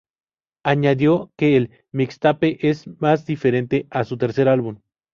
Añadió que el mixtape es más diferente a su tercer álbum.